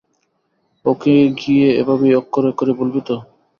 ওকে গিয়ে এভাবেই অক্ষরে অক্ষরে বলবি তো?